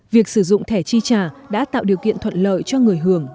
việc sử dụng thẻ chi trả đã tạo điều kiện thuận lợi cho người hưởng